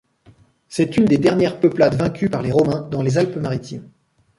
C'est une des dernières peuplades vaincues par les Romains dans les Alpes-Maritimes.